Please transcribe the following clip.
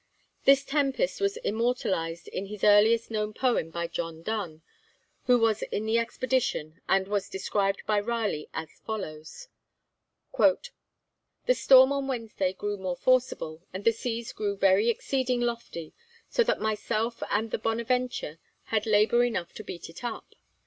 This tempest was immortalised in his earliest known poem by John Donne, who was in the expedition, and was described by Raleigh as follows: The storm on Wednesday grew more forcible, and the seas grew very exceeding lofty, so that myself and the Bonaventure had labour enough to beat it up.